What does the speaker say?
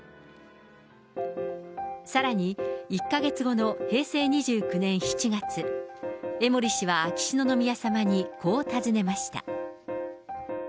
さらに、１か月後の平成２９年７月、江森氏は秋篠宮さまにこう尋ねました。